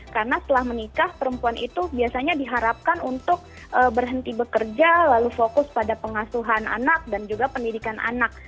karena setelah menikah perempuan itu biasanya diharapkan untuk berhenti bekerja lalu fokus pada pengasuhan anak dan juga pendidikan anak